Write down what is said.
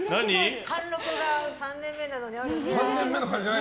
貫禄が、３年目なのにあるね。